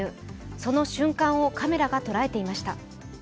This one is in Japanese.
その瞬間をカメラが捉えていました。